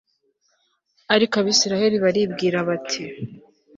ariko abayisraheli baribwiraga bati